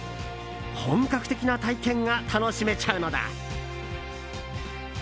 本格的な体験が楽しめちゃうのだ。